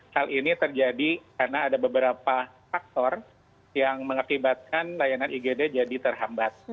hal ini terjadi karena ada beberapa faktor yang mengakibatkan layanan igd jadi terhambat